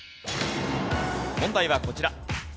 問題はこちら。